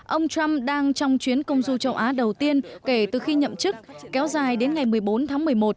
ông trump đang trong chuyến công du châu á đầu tiên kể từ khi nhậm chức kéo dài đến ngày một mươi bốn tháng một mươi một